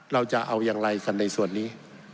เราจะเอาอย่างไรกันในส่วนนี้